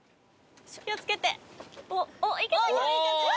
気を付けて。